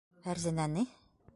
Фәрзәнәне!